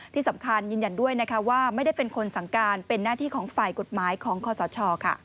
ที่สำคัญยืนยันด้วยว่าไม่ได้เป็นคนสั่งการเป็นหน้าที่ของฝ่ายกฎหมายของคอสช